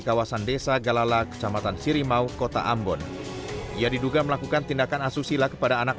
kawasan desa galala kecamatan sirimau kota ambon ia diduga melakukan tindakan asusila kepada anak